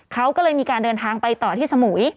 เขาก็เลยมีการเดินทางไปต่อที่สมุย